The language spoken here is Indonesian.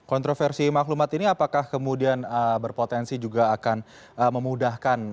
kontroversi maklumat ini apakah kemudian berpotensi juga akan memudahkan